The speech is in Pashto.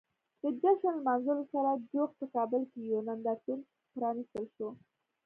د جشن لمانځلو سره جوخت په کابل کې یو نندارتون پرانیستل شو.